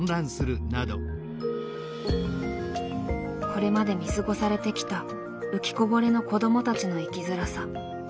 これまで見過ごされてきた“浮きこぼれ”の子どもたちの生きづらさ。